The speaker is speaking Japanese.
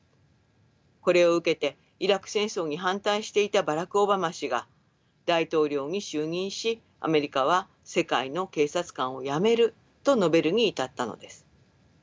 これを受けてイラク戦争に反対していたバラク・オバマ氏が大統領に就任しアメリカは世界の警察官をやめると述べるに至ったのです。